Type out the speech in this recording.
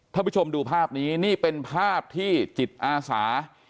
ท่านผู้ชมดูภาพนี้นี่เป็นภาพที่จิตอาสา